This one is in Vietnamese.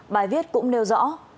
bài viết cũng nêu rõ